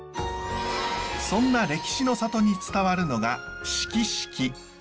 そんな歴史の里に伝わるのがしきしき。